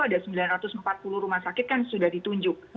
ada sembilan ratus empat puluh rumah sakit kan sudah ditunjuk